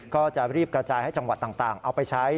ก็จะรีบกระจายให้จังหวัดต่างเอาไปใช้